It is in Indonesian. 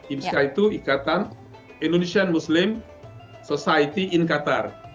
imska itu ikatan indonesian muslim society in qatar